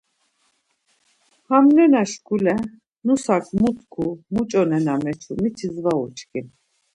Ham nena şkule nusak mu tku, muço nena meçu mitis var uçkin...